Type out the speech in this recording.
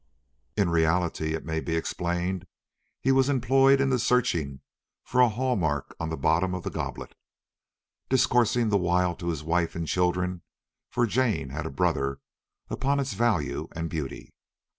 In reality, it may be explained, he was employed in searching for a hall mark on the bottom of the goblet, discoursing the while to his wife and children—for Jane had a brother—upon its value and beauty.